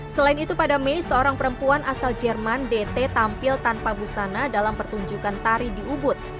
selain itu pada mei seorang perempuan asal jerman dt tampil tanpa busana dalam pertunjukan tari di ubud